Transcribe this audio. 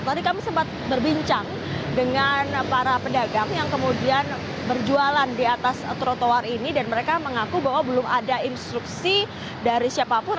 tadi kami sempat berbincang dengan para pedagang yang kemudian berjualan di atas trotoar ini dan mereka mengaku bahwa belum ada instruksi dari siapapun